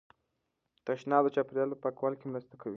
تشناب د چاپیریال په پاکوالي کې مرسته کوي.